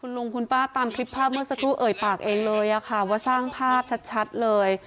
ลุงคุณป้าตามคลิปภาพเมื่อสักครู่เอ่ยปากเองเลยค่ะว่าสร้างภาพชัดเลย